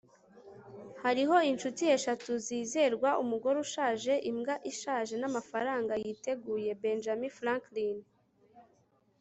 hariho inshuti eshatu zizerwa umugore ushaje, imbwa ishaje, n'amafaranga yiteguye - benjamin franklin